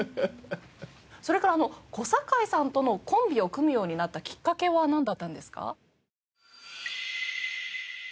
それから小堺さんとのコンビを組むようになったきっかけはなんだったんですか？